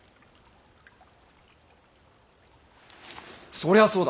そりゃあそうだ。